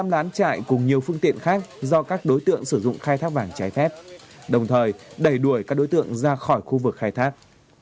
năm lán trại cùng nhiều phương tiện khác do các đối tượng sử dụng khai thác vàng trái phép đồng thời đẩy đuổi các đối tượng ra khỏi khu vực khai thác